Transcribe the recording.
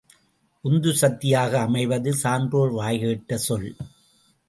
உந்துசக்தியாக அமைவது சான்றோர் வாய்கேட்ட சொல்.